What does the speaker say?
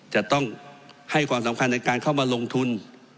จะต้องให้ความสำคัญในการเข้ามาลงทุน